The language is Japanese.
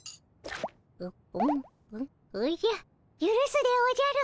おじゃゆるすでおじゃる。